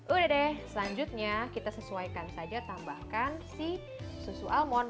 udah deh selanjutnya kita sesuaikan saja tambahkan si susu almon